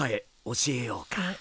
教えようか。